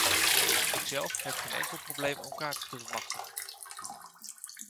Ikzelf heb geen enkel probleem om kaarten te bemachtigen.